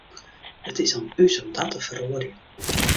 It is oan ús om dat te feroarjen.